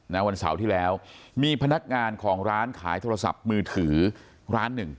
วันเสาร์ที่แล้วมีพนักงานของร้านขายโทรศัพท์มือถือร้านหนึ่ง